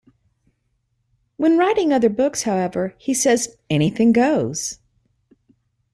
When writing other books, however, he says, Anything goes.